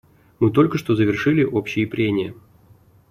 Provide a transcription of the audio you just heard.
Мы только что завершили общие прения.